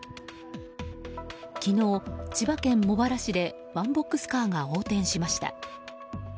昨日、千葉県茂原市でワンボックスカーが横転しました。